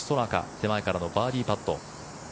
手前からのバーディーパット。